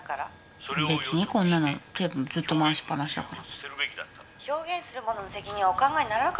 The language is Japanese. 別にこんなのテープをずっと回しっぱなしだから。